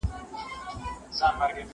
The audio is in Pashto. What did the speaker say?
زه هره ورځ کتاب وليکم؟!؟!